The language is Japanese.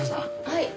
はい。